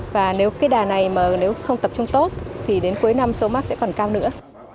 và nếu cái đà này mà nếu không tập trung tốt thì đến cuối năm số mắc sẽ còn cao nữa